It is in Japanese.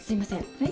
はい？